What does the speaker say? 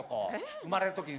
生まれる時にさ。